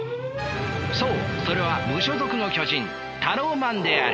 そうそれは無所属の巨人タローマンである。